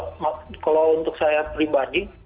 kalau untuk saya pribadi